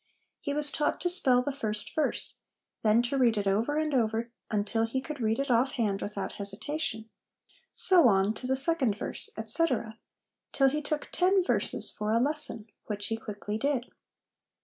He was taught to spell the first verse, then to read it over and over until he could read it off hand without hesitation ; so on, to the second verse, etc., till he took ten verses for a lesson, which he quickly did.